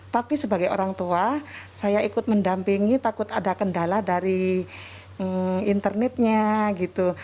tapi sebagai orang tua saya ikut mendampingi takut ada kendala dari internetnya gitu